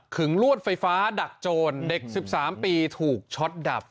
ลวดไฟฟ้าดักโจรเด็ก๑๓ปีถูกช็อตดับ